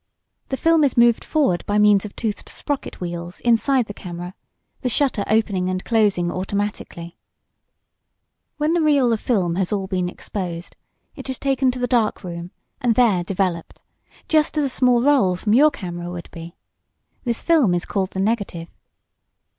The film is moved forward by means of toothed sprocket wheels inside the camera, the shutter opening and closing automatically. When the reel of film has all been exposed, it is taken to the dark room, and there developed, just as a small roll from your camera would be. This film is called the negative.